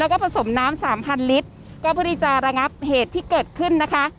แล้วก็ผสมน้ำสามพันลิตรก็เพื่อที่จะระงับเหตุที่เกิดขึ้นนะคะ